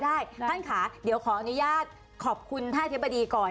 ได้ท่านขาเดี๋ยวขออนุญาตขอบคุณท่าเทียบดีก่อน